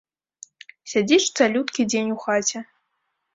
Сядзіш цалюткі дзень у хаце.